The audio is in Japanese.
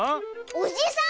おじさん！